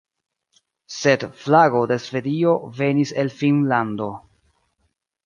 Sed flago de Svedio venis el Finnlando.